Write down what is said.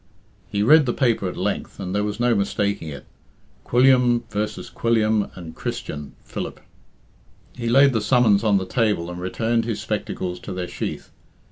He read the paper at length, and there was no mistaking it. "Quilliam v. Quilliam and Christian (Philip)." He laid the summons on the table, and returned his spectacles to their sheath.